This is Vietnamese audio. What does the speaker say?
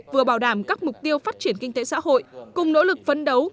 vừa bảo đảm các mục tiêu phát triển kinh tế xã hội cùng nỗ lực phấn đấu